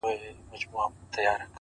زه درته مار سومه که ته راته ښاماره سوې!